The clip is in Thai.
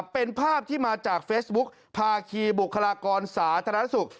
เป็นภาพที่มาจากเฟซบุ๊คภาคีบุคลากรสาธารณสุข